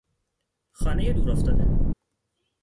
خانهی دور افتاده